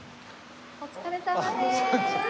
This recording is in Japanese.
お疲れさまです。